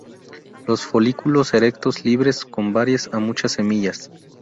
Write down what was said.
Los folículos erectos, libres, con varias a muchas semillas.